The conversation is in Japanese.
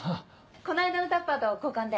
この間のタッパーと交換で。